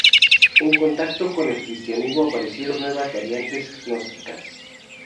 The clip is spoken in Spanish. En contacto con el cristianismo, aparecieron nuevas variantes gnósticas.